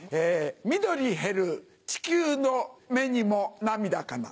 緑減る地球の目にも涙かな。